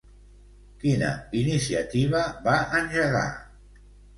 Quina iniciativa va engegar?